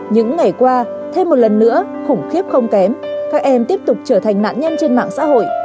những ngày qua thêm một lần nữa khủng khiếp không kém các em tiếp tục trở thành nạn nhân trên mạng xã hội